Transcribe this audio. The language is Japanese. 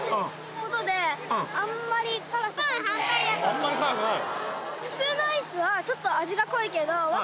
あんまり辛くない？